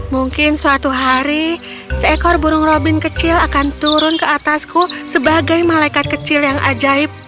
mungkin suatu hari seekor burung robin kecil akan turun ke atasku sebagai malaikat kecil yang ajaib